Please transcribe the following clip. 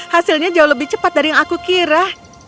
hasilnya jauh lebih cepat dari yang aku kira